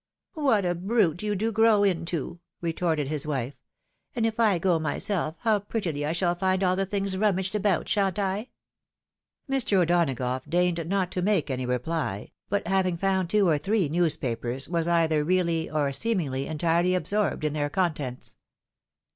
"What a brute you do grow into!" retorted his wife. "And if I go myself, how prettUy I shall iind all the things rummaged about, shan't I ?" Mr. O'Donagough deigned not to make any reply, but having found two or three newspapers, was either really, or seemingly, entirely absorbed in their contents.